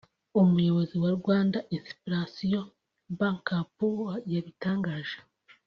umuyobozi wa Rwanda Inspiration Back Up yabitangaje